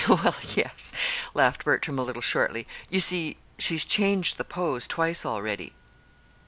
"Well, yes," laughed Bertram, a little shortly. "You see, she's changed the pose twice already."